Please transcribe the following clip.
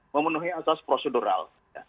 memenuhi asas prosedural